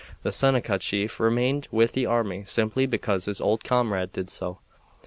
The Seneca chief remained with the army simply because his old comrade did so.